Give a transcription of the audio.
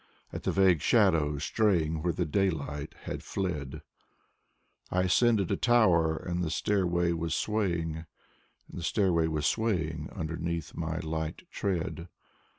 At the vague shadows straying where the daylight had fled; I ascended a tower, and the stairway was swaying, And the stairway was swaying underneath my light tread.